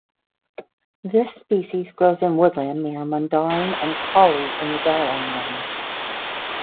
This species grows in woodland near Mundaring and Collie in the Darling Range.